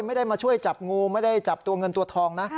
ไม่ได้มาช่วยจับงูไม่ได้จับตัวเงินตัวทองนะ